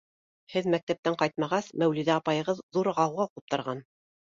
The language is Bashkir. — Һеҙ мәктәптән ҡайтмағас, Мәүлиҙә апайығыҙ ҙур ғауға ҡуптарған.